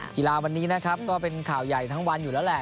กีฬาวันนี้นะครับก็เป็นข่าวใหญ่ทั้งวันอยู่แล้วแหละ